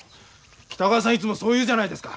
北川さんいつもそう言うじゃないですか。